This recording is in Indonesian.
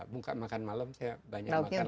bukan makan malam saya banyak makan lauk dan sayur